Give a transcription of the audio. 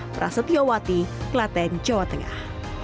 prasetyo wati kelaten jawa tengah